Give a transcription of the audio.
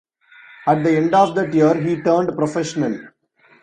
At the end of that year he turned professional.